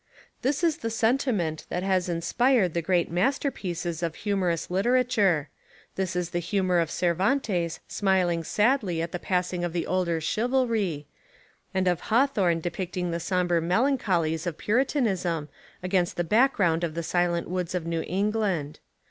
This Is the sentiment that has inspired the great masterpieces of humorous literature — this is the humour of Cervantes smiling sadly at the passing of the older chivalry, and of 114 American Humour Hawthorne depicting the sombre melancholies of Puritanism against the background of the silent woods of New England.